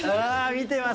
見てます。